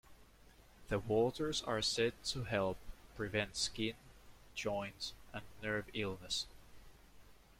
The waters are said to help prevent skin, joint, and nerve illness.